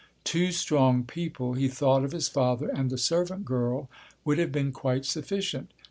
Two strong people—he thought of his father and the servant girl—would have been quite sufficient.